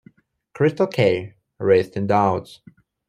Krystle Kay - Raised in Douds.